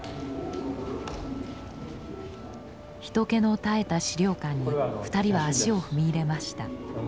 人気の絶えた資料館に２人は足を踏み入れました。